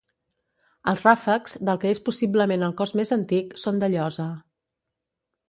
Els ràfecs, del que és possiblement el cos més antic, són de llosa.